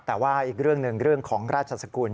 แต่ว่าอีกเรื่องหนึ่งเรื่องของราชสกุล